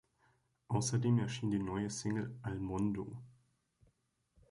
Außerdem erschien die neue Single "Al mondo".